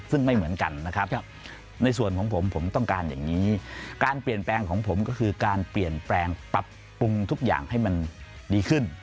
ซึ่งไม่เหมือนกันนะครับในส่วนของผมผมต้องการอย่างนี้การเปลี่ยนแปลงของผมก็คือการเปลี่ยนแปลงปรับปรุงทุกอย่างให้มันดีขึ้น